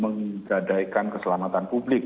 menggadaikan keselamatan publik